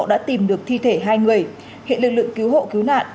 đã tìm được thi thể hai người hiện lực lượng cứu hộ cứu nạn